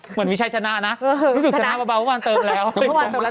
เหมือนมีชัยชนะนะรู้สึกชนะเบาเมื่อวานเติมแล้ว